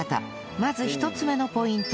まず１つ目のポイントはダシ